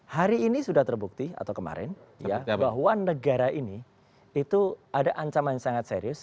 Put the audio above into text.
hari ini sudah terbukti atau kemarin ya bahwa negara ini itu ada ancaman yang sangat serius